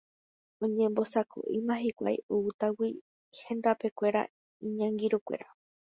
oñembosako'íma hikuái oútagui hendapekuéra iñangirũnguéra